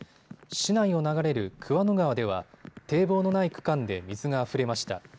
市内を流れる桑野川では堤防のない区間で水があふれました。